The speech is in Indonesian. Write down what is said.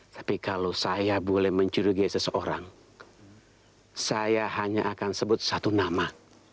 tapi kalau saya boleh mencurigai seseorang saya hanya akan sebut satu nama